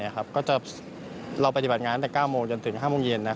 เราปฏิบัติงานตั้งแต่๙โมงจนถึง๕โมงเย็น